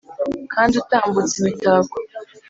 kandi utambutse imitako ?